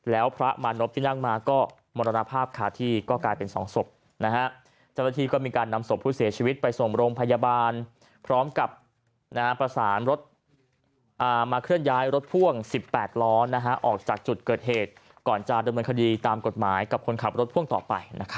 แล้วพระมณพที่นั่งมาก็สมรรณภาพขาดที่กลายเป็นสองศพ